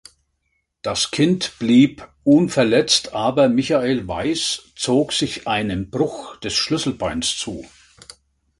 Das Kind blieb unverletzt aber Michael Weiss zog sich einen Bruch des Schlüsselbeins zu.